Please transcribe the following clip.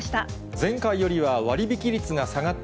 前回よりは割引率が下がって